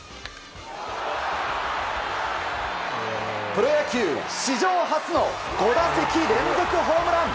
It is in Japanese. プロ野球史上初の５打席連続ホームラン。